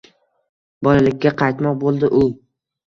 Bolalikka qaytmoq bo’ldi u